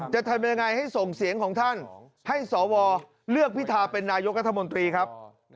จะทำยังไงให้ส่งเสียงของท่านให้สวเลือกพิธาเป็นนายกรัฐมนตรีครับ